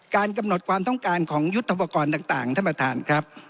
กำหนดความต้องการของยุทธปกรณ์ต่างท่านประธานครับ